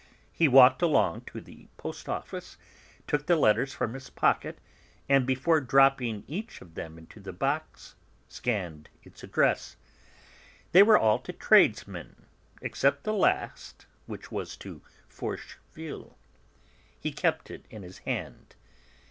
He walked along to the post office, took the letters from his pocket, and, before dropping each of them into the box, scanned its address. They were all to tradesmen, except the last, which was to Forcheville. He kept it in his hand.